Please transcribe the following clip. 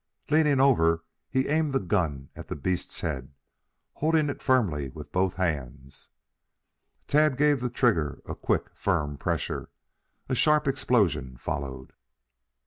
Leaning over he aimed the gun at the beast's head, holding it firmly with both hands. Tad gave the trigger a quick, firm pressure. A sharp explosion followed.